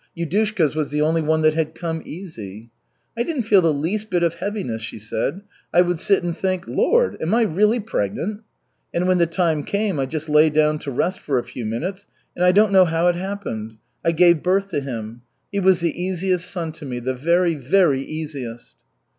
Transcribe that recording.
Yudushka's was the only one that had come easy. "I didn't feel the least bit of heaviness," she said. "I would sit and think, 'Lord, am I really pregnant?' And when the time came I just lay down to rest for a few minutes and I don't know how it happened I gave birth to him. He was the easiest son to me, the very, very easiest."